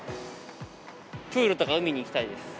プールとか海に行きたいです。